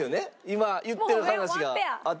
今言ってる話が合ってたら。